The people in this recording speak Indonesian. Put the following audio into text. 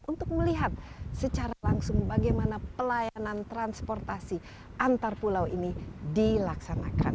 untuk melihat secara langsung bagaimana pelayanan transportasi antar pulau ini dilaksanakan